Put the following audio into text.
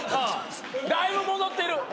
だいぶ戻ってる。